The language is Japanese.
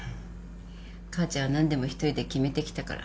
母ちゃんは何でも一人で決めてきたから。